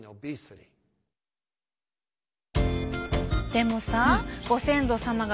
でもさご先祖様が